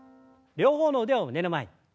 両方の腕を胸の前に。